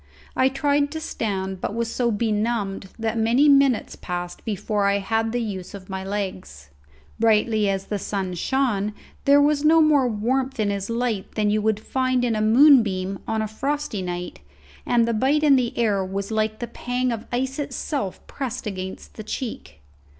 I tried to stand, but was so benumbed that many minutes passed before I had the use of my legs. Brightly as the sun shone there was no more warmth in his light than you find in a moon beam on a frosty night, and the bite in the air was like the pang of ice itself pressed against the cheek.